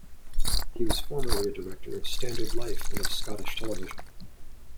He was formerly a director of Standard Life and of Scottish Television.